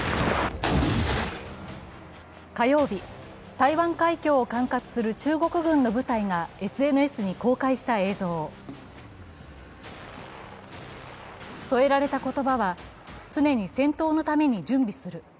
火曜日、台湾海峡を管轄する中国軍の部隊がＳＮＳに公開した映像添えられた言葉は、常に戦闘のために準備する。